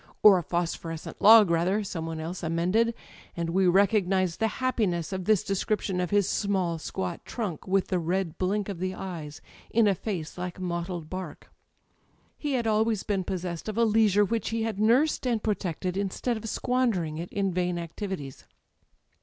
"Or a phosphorescent log, rather," some one else [ «44 ] Digitized by LjOOQ IC THE EYES amended; and we recognised the happiness of this de scription of his small squat trunk, with the red blink of the ey es in a face like mottled bark. He had always been possessed of a leisure which he had nursed and protected, instead of squandering it in vain activities.